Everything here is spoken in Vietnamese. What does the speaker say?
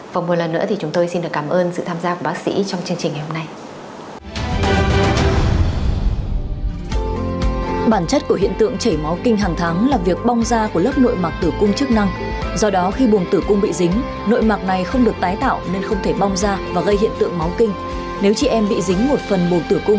vòng một lần nữa thì chúng tôi xin được cảm ơn sự tham gia của bác sĩ trong chương trình ngày hôm nay